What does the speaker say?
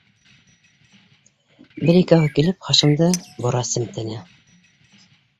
— Бер-икәүһе килеп, Хашимды бора семтене.